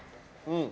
うん。